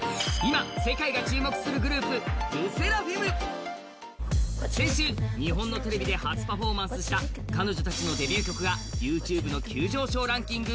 そして先週、日本のテレビで初パフォーマンスした彼女たちのデビュー曲がＹｏｕＴｕｂｅの急上昇ランキング